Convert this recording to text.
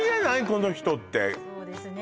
この人ってそうですね